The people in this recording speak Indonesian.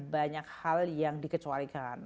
banyak hal yang dikecualikan